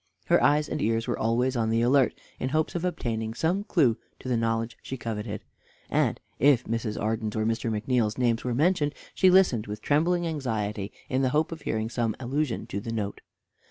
Her eyes and ears were always on the alert, in hopes of obtaining some clue to the knowledge she coveted, and if Mrs, Arden's or Mr. McNeal's names were mentioned she listened with trembling anxiety in the hope of hearing some allusion to the note.